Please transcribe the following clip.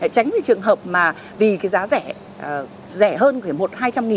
tránh trường hợp mà vì cái giá rẻ rẻ hơn một hai trăm linh nghìn